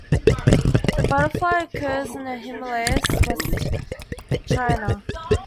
The butterfly occurs in the Himalayas and west China.